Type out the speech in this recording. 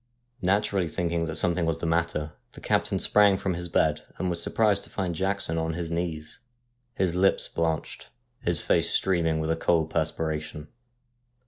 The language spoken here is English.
Naturally thinking that something was the matter, the captain sprang from his bed, and was surprised to find Jackson on his knees, his lips blanched, his face streaming with a cold perspiration.